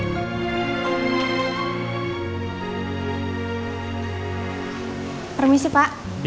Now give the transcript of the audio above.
j unconcern menggotor pun